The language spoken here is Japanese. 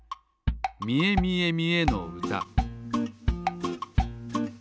「みえみえみえの歌」